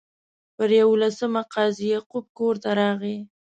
پر یوولسمه قاضي یعقوب کور ته راغی.